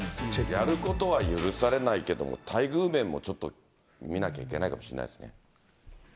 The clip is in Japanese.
やることは許されないけれども、待遇面もちょっと見なきゃいけないかもしれないですね。